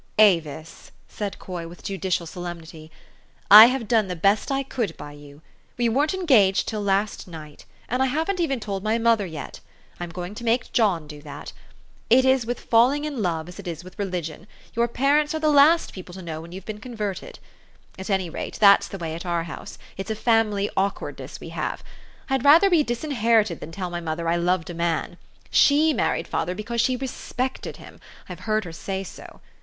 "Avis," said Coy with judicial solemnity, "I have done the best I could by you. We weren't engaged till last night ; and I haven't even told my mother yet. I'm going to make John do that. It is with falling in love as it is with religion, your parents are the last people to know when you've been converted. At any rate, that's the way at our house. It's a family awkwardness we have. I'd rather be disinherited than tell my mother I loved a man. She married father because she RESPECTED him. I've heard her say so.